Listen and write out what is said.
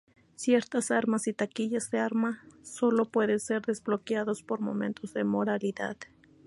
Ciertas armas y taquillas de arma sólo pueden ser desbloqueados por momentos de moralidad.